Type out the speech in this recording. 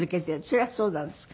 それはそうなんですか？